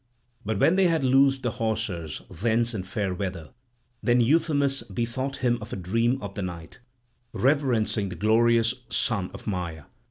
But when they had loosed the hawsers thence in fair weather, then Euphemus bethought him of a dream of the night, reverencing the glorious son of Maia.